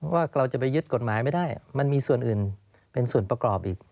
ว่าเราจะไปยึดกฎหมายไม่ได้มันมีส่วนอื่นเป็นส่วนประกอบอีก